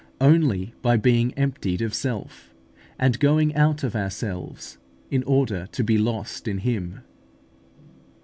Only by being emptied of self, and going out of ourselves in order to be lost in Him.